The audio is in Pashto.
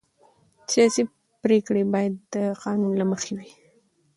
سیاسي پرېکړې باید د قانون له مخې وي